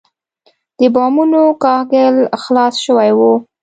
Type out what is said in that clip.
د بامونو کاهګل خلاص شوی و.